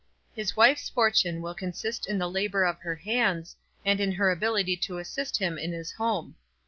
His wife's fortune will consist in the labour of her hands, and in her ability to assist him in his home.